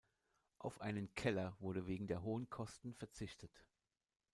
Auf einen Keller wurde wegen der hohen Kosten verzichtet.